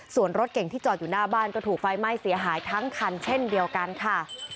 ส่วนรถเก่งที่จอดอยู่หน้าบ้านก็ถูกไฟไหม้เสียหายทั้งคันเช่นเดียวกันค่ะ